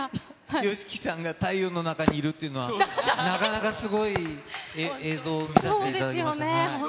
ＹＯＳＨＩＫＩさんが太陽の中にいるというのは、なかなかすごい映像を見させていただきましそうですよね。